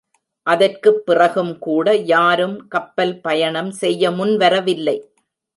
அதற்குப் பிறகும் கூட யாரும் கப்பல் பயணம் செய்ய முன் வரவில்லை.